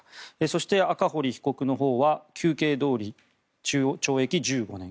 そして、赤堀被告のほうは求刑どおり懲役１５年。